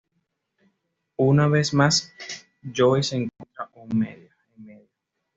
Una vez más Joey se encuentra en medio.